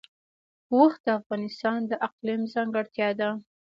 اوښ د افغانستان د اقلیم ځانګړتیا ده.